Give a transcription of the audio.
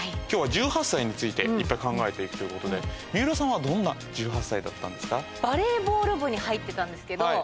今日は１８歳についていっぱい考えて行くということで水卜さんはどんな１８歳だったんですか？に入ってたんですけど。